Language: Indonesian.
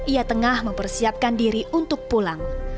ia tengah mempersiapkan diri untuk pulang